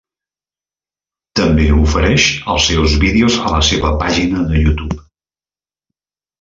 També ofereix els seus vídeos a la seva pàgina de YouTube.